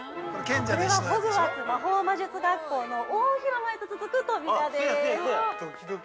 ◆これはホグワーツ魔法魔術学校の大広間へと続く扉です。